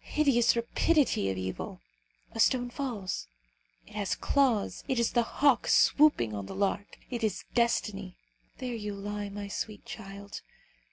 Hideous rapidity of evil! A stone falls. It has claws. It is the hawk swooping on the lark. It is destiny. There you lie, my sweet child!